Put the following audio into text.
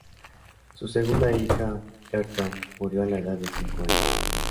Su segunda hija, Hertha, murió a la edad de cinco años.